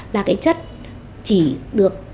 là cái chất chỉ được tẩy trắng